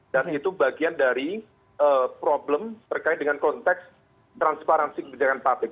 dan itu bagian dari problem berkait dengan konteks transparansi kebijakan publik